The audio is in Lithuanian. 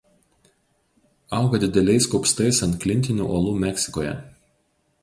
Auga dideliais kupstais ant klintinių uolų Meksikoje.